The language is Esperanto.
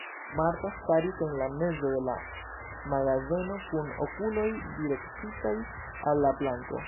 Marta staris en la mezo de la magazeno kun okuloj direktitaj al la planko.